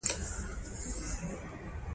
دا د دې ګواښونو د مخنیوي لپاره وو.